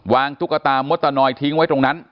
ตุ๊กตามดตะนอยทิ้งไว้ตรงนั้น